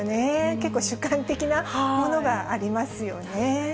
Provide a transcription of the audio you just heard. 結構、主観的なものがありますよね。